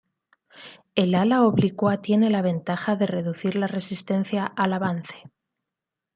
El ala oblicua tiene la ventaja de reducir la resistencia al avance.